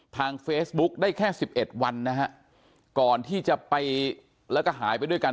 ทางเฟซบุ๊กได้แค่สิบเอ็ดวันนะฮะก่อนที่จะไปแล้วก็หายไปด้วยกัน